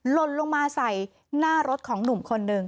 ลนลงมาใส่หน้ารถของหนุ่มคนหนึ่ง